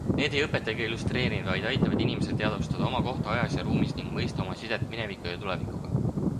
Need ei õpeta ega illustreeri, vaid aitavad inimesel teadvustada oma kohta ajas ja ruumis ning mõista oma sidet mineviku ja tulevikuga.